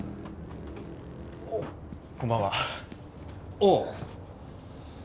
おう。